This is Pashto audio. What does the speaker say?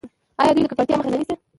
آیا دوی د ککړتیا مخه نه نیسي؟